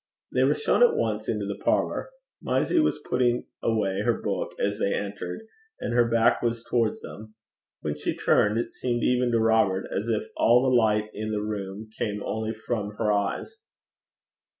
They were shown at once into the parlour. Mysie was putting away her book as they entered, and her back was towards them. When she turned, it seemed even to Robert as if all the light in the room came only from her eyes.